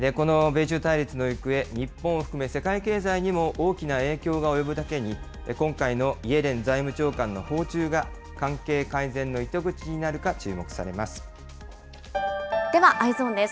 この米中対立の行方、日本を含め世界経済にも大きな影響が及ぶだけに、今回のイエレン財務長官の訪中が関係改善の糸口になるか注では、Ｅｙｅｓｏｎです。